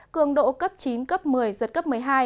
cường độ cấp chín cấp một mươi giật cấp một mươi hai